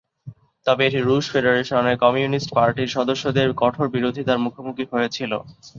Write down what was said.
তবে, এটি রুশ ফেডারেশনের কমিউনিস্ট পার্টির সদস্যদের কঠোর বিরোধিতার মুখোমুখি হয়েছিল।